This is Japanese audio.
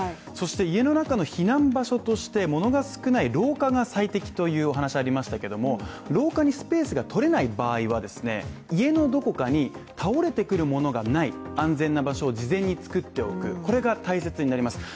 そして、家の中の避難場所としてものが少ない廊下が最適という話がありましたけども廊下にスペースがとれない場合は家のどこかに倒れてくるものがない安全な場所を事前に作っておく、これが大切になります。